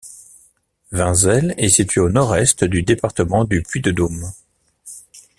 Vinzelles est située au nord-est du département du Puy-de-Dôme.